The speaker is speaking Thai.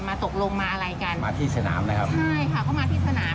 ตกลงมาอะไรกันมาที่สนามนะครับใช่ค่ะเขามาที่สนาม